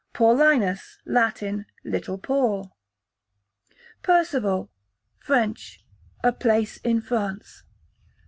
Paulinus, Latin, little Paul. Percival, French, a place in France.